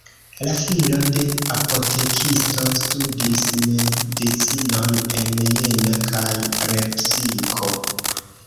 La filo de apotekisto studis medicinon en Jena kaj Lepsiko.